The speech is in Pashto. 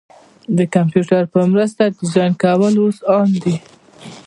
د کمپیوټر په مرسته ډیزاین کول اوس عام دي.